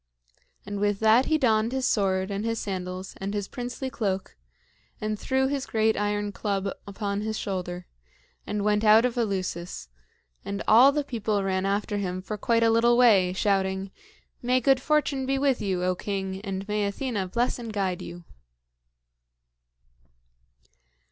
And with that he donned his sword and his sandals and his princely cloak, and threw his great iron club upon his shoulder, and went out of Eleusis; and all the people ran after him for quite a little way, shouting, "May good fortune be with you, O king, and may Athena bless and guide you!"